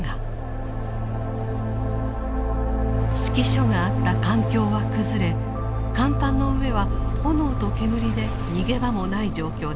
指揮所があった艦橋は崩れ甲板の上は炎と煙で逃げ場もない状況でした。